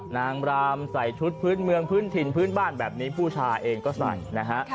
นางรามใส่ชุดพื้นเมืองพื้นถิ่นพื้นบ้านแบบนี้ผู้ชายเองก็ใส่นะฮะ